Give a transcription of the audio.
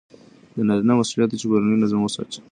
د نارینه مسئولیت دی چې کورنی نظم وساتي.